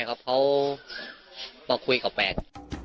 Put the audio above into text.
ไม่ครับเขาต้องคุยกับแฟน